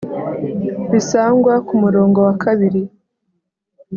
Bisangwa ku murongo wa kabiri